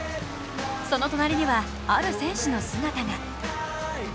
その隣には、ある選手の姿が。